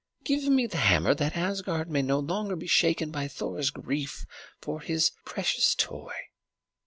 Give me the hammer, that Asgard may no longer be shaken by Thor's grief for his precious toy."